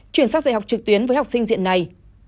chuyển sang dạy học trực tuyến với học sinh diện này